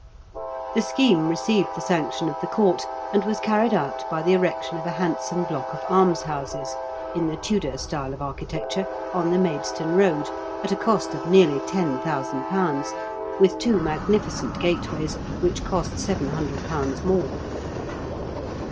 The scheme received the sanction of the Court, and was carried out by the erection of a handsome block of almshouses, in the Tudor style of architecture, on the Maidstone road, at a cost of nearly ten thousand pounds, with two magnificent gateways, which cost seven hundred pounds more.